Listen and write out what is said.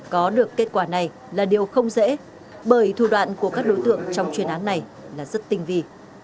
có được kết quả này là điều không dễ bởi thủ đoạn của các đối tượng trong chuyên án này là rất tinh vi